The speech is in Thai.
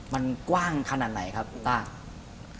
มันกว้างขนาดไหนครับคุณต้า